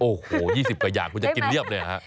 โอ้โห๒๐กว่าอย่างคุณจะกินเรียบเลยฮะ